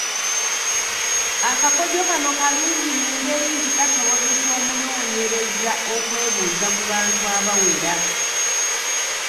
Akakodyo kano kalungi mu ngeri nti kasobozesa omunoonyereza okwebuuza ku bantu abawera.